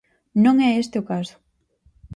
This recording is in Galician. Non é este o caso.